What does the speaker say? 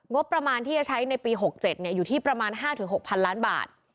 งบประมาณที่จะใช้ในปี๖๗อยู่ที่ประมาณ๕๖๐๐๐ล้านบาท